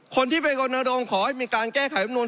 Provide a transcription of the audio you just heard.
คนที่เป็นกรณโรงขอให้มีการแก้ไขอำนูล